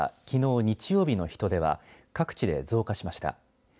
きのう日曜日の人出は各地で増加しました。